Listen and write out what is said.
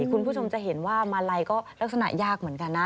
คุณผู้ชมจะเห็นว่ามาลัยก็ลักษณะยากเหมือนกันนะ